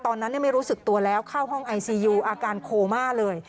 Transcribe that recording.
ตอนนั้นไม่รู้สึกตัวแล้วเข้าห้องไอซียูอาการโคม่าเลย